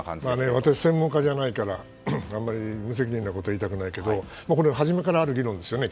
私は専門家じゃないからあまり無責任なことは言いたくないけどはじめからある議論ですよね。